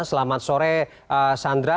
selamat sore sandra